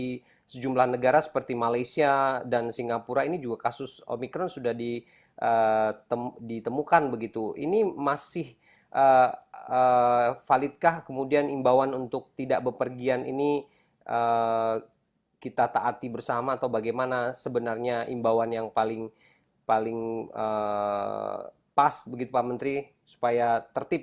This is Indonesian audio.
jadi kepung pak ya di sejumlah negara seperti malaysia dan singapura ini juga kasus omicron sudah ditemukan begitu ini masih validkah kemudian imbauan untuk tidak bepergian ini kita taati bersama atau bagaimana sebenarnya imbauan yang paling pas begitu pak menteri supaya tertib